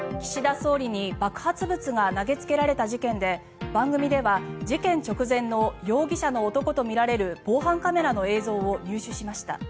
総理に爆発物が投げつけられた事件で番組では事件直前の容疑者の男とみられる防犯カメラの映像を入手しました。